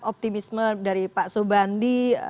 optimisme dari pak soebandi